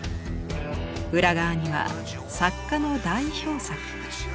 裏側には作家の代表作。